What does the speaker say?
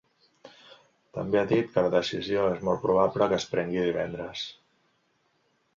També ha dit que la decisió és molt probable que es prengui divendres.